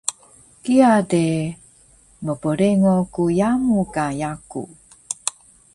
Kiya de mprengo ku yamu ka yaku